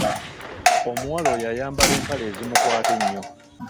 Omuwala oyo ayambala empale ezimukwata ennyo.